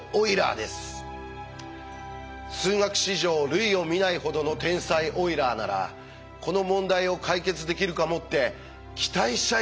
数学史上類を見ないほどの天才オイラーならこの問題を解決できるかもって期待しちゃいますよね。